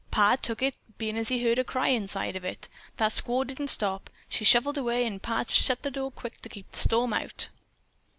Pa took it, bein' as he heard a cry inside of it. That squaw didn't stop. She shuffled away and Pa shut the door quick to keep the storm out.